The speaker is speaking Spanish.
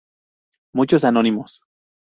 Muchos anónimos.